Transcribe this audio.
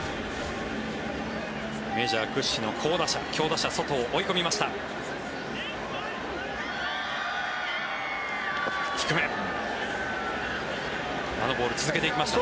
メジャー屈指の好打者、強打者ソトを追い込みました。